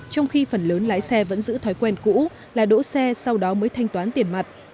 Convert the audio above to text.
trong khi phần lớn lái xe vẫn giữ thói quen cũ là đỗ xe sau đó mới thanh toán tiền mặt